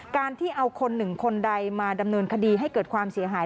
การที่เอาคนหนึ่งคนใดมาดำเนินคดีให้เกิดความเสียหาย